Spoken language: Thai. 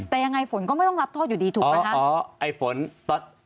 แต่ยังไงฝนก็ไม่ต้องรับโทษอยู่ดีถูกไหมคะ